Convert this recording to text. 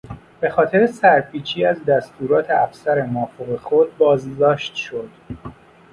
به خاطر سرپیچی از دستورات افسر مافوق خود بازداشت شد.